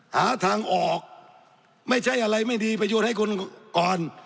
หาทางออกไม่ใช้อะไรไม่ดีประโยชน์ให้คนก่อน